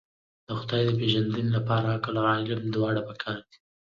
د خدای د پېژندنې لپاره عقل او علم دواړه پکار دي.